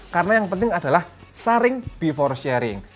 karena yang penting adalah sharing before sharing